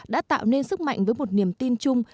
đã tạo nên sức mạnh với một niềm tin chung